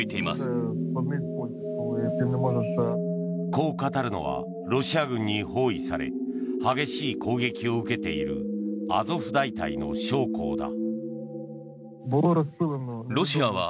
こう語るのはロシア軍に包囲され激しい攻撃を受けているアゾフ大隊の将校だ。